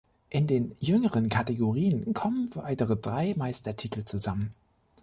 In den jüngeren Kategorien kommen weitere drei Meistertitel zusammen.